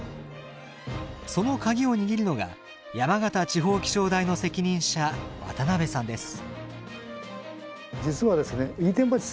そのカギを握るのが山形地方気象台の責任者渡邊さんです。